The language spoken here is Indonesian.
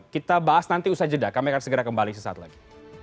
kita bahas nanti usai jeda kami akan segera kembali sesaat lagi